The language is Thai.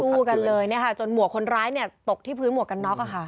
คือต่อสู้กันเลยจนหมวกคนร้ายตกที่พื้นหมวกกันน็อกค่ะ